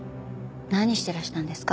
何してらしたんですか？